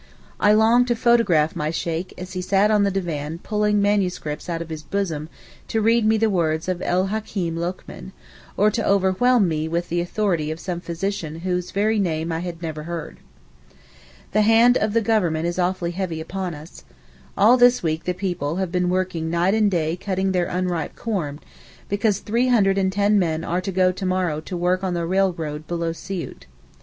I longed to photograph my Sheykh as he sat on the divan pulling MSS. out of his bosom to read me the words of El Hakeem Lokman, or to overwhelm me with the authority of some physician whose very name I had never heard. The hand of the Government is awfully heavy upon us. All this week the people have been working night and day cutting their unripe corn, because three hundred and ten men are to go to morrow to work on the railroad below Siout.